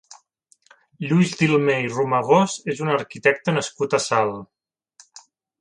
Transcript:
Lluís Dilmé i Romagós és un arquitecte nascut a Salt.